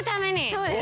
そうです。